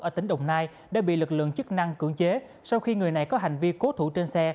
ở tỉnh đồng nai đã bị lực lượng chức năng cưỡng chế sau khi người này có hành vi cố thủ trên xe